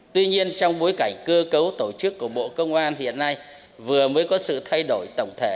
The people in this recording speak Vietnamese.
tuy nhiên trong bối cảnh cơ cấu tổ chức của bộ công an hiện nay vừa mới có sự thay đổi tổng thể